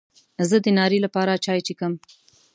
زه د ناري لپاره چای څښم.